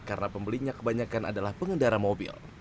karena pembelinya kebanyakan adalah pengendara mobil